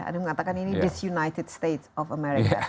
ada yang mengatakan ini disunited state of america